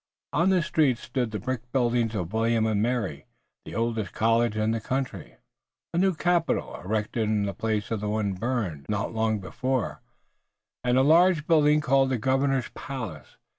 On this street stood the brick buildings of William and Mary, the oldest college in the country, a new capitol erected in the place of one burned, not long before, and a large building called the Governor's Palace.